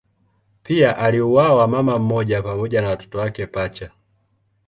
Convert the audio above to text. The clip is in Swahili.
Pia aliuawa mama mmoja pamoja na watoto wake pacha.